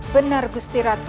benar gusti ratu